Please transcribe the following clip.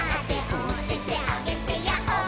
「おててあげてヤッホー」